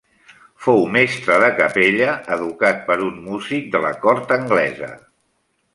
Fou mestre de capella del fou educat per un músic de la cort anglesa.